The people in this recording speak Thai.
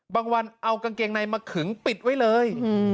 บางวันเอากางเกงในมาขึงปิดไว้เลย